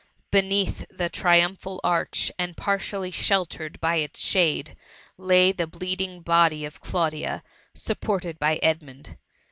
Beneath the triumphal arch, and partially dieltered by its shade, lay the bleeding body of Claudia, supported by Edmund.